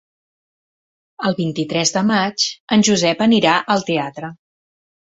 El vint-i-tres de maig en Josep anirà al teatre.